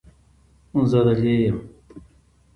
زه دلې یم.